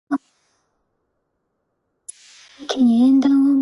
我們會積極參與